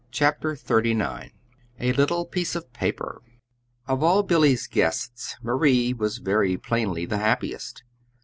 CHAPTER XXXIX A LITTLE PIECE OF PAPER Of all Billy's guests, Marie was very plainly the happiest.